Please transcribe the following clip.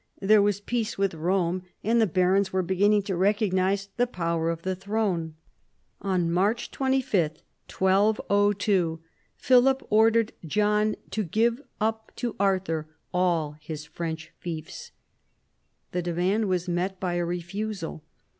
There was peace with Eome, and the barons were beginning to recognise the power of the throne. On March 25, 1202, Philip ordered John to give up to Arthur all his French fiefs. The demand was met by a refusal.